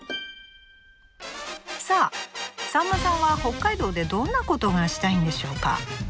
さあさんまさんは北海道でどんなことがしたいんでしょうか？